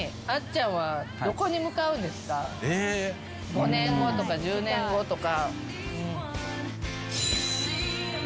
５年後とか１０年後とか。